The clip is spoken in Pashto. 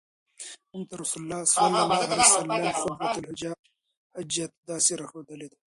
مونږ ته رسول الله صلی الله عليه وسلم خُطْبَةَ الْحَاجَة داسي را ښودلي